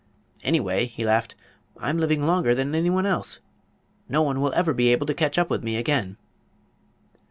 "Anyway," he laughed, "I'm living longer than anyone else. No one will ever be able to catch up with me again."